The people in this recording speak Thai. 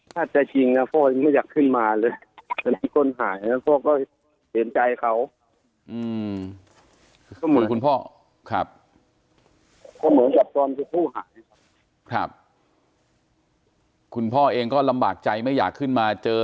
ถ้าจะจริงนะพ่อยังไม่อยากขึ้นมาเลย